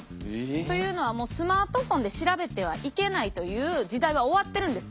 というのはスマートフォンで調べてはいけないという時代は終わってるんです。